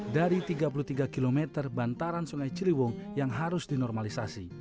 dari tiga puluh tiga km bantaran sungai ciliwung yang harus dinormalisasi